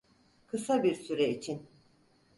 Kısa bir süre için.